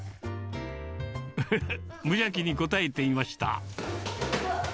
無邪気に答えていました。